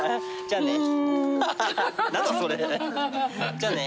じゃあね。